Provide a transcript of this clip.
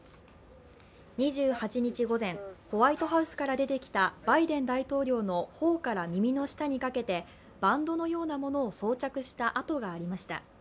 ２８日午前、ホワイトハウスから出てきたバイデン大統領の頬から耳の下にかけてバンドのようなものを装着した痕がありました。